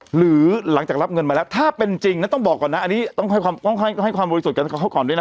หรือหลังจากรับเงินมาแล้วถ้าเป็นจริงนะต้องบอกก่อนนะอันนี้ต้องให้ความบริสุทธิ์กับเขาก่อนด้วยนะ